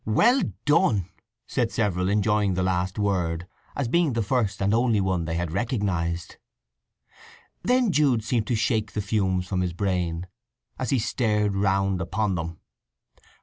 _" "Well done!" said several, enjoying the last word, as being the first and only one they had recognized. Then Jude seemed to shake the fumes from his brain, as he stared round upon them.